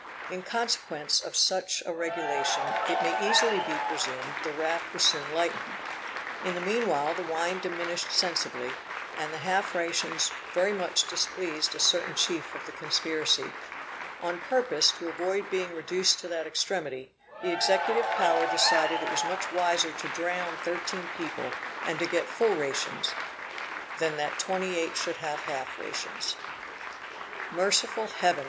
In consequence of such a regulation, it may easily be presumed the raft was soon lightened. In the meanwhile the wine diminished sensibly, and the half rations very much displeased a certain chief of the conspiracy. On purpose to avoid being reduced to that extremity, the executive power decided it was much wiser to drown thirteen people, and to get full rations, than that twenty eight should have half rations. Merciful Heaven!